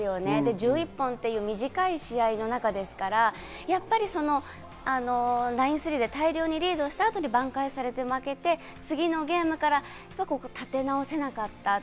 １１本という短い試合の中ですから、大量リードした後に挽回されて負けて、次のゲームから立て直せなかった。